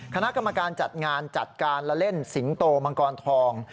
คณะกรรมการจัดงานจัดการละเล่นสิงโตมังกรทอง